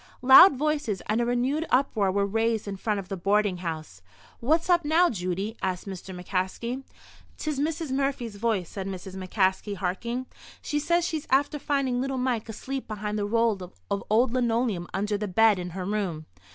Loud voices and a renewed uproar were raised in front of the boarding house. "What's up now, Judy?" asked Mr. McCaskey. "'Tis Missis Murphy's voice," said Mrs. McCaskey, harking. "She says she's after finding little Mike asleep behind the roll of old linoleum under the bed in her room."